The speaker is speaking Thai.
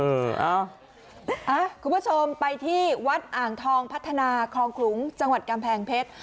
คุณผู้ชมไปที่วัดอ่างทองพัฒนาคลองขลุงจังหวัดกำแพงเพชร